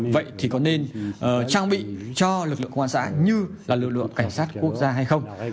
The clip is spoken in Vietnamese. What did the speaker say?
vậy thì có nên trang bị cho lực lượng công an xã như là lực lượng cảnh sát quốc gia hay không